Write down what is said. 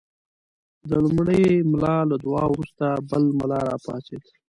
د لومړي ملا له دعا وروسته بل ملا راپاڅېد.